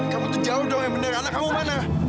kamu tuh jauh dong yang benar anak kamu mana